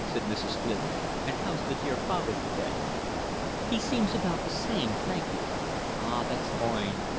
said Mrs. Flynn. "And how's the dear father to day?" "He seems about the same, thank you." "Ah, that's foine.